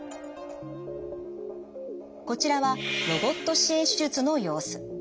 こちらはロボット支援手術の様子。